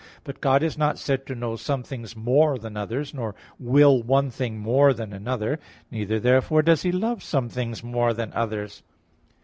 But God is not said to know some things more than others; nor will one thing more than another. Neither therefore does He love some things more than others.